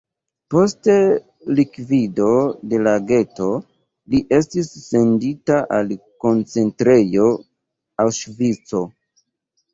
Post likvido de la geto li estis sendita al koncentrejo Aŭŝvico.